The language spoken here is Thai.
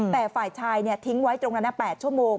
แต่ฝ่ายชายทิ้งไว้ตรงนั้น๘ชั่วโมง